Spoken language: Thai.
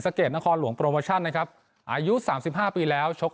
เกดนครหลวงโปรโมชั่นนะครับอายุสามสิบห้าปีแล้วชก